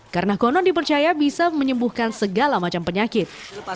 karena konon dipercaya bisa menyembuhkan segala macam penyakit